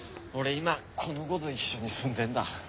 今この子と一緒に住んでんだ。